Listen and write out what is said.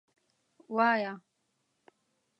_وايه.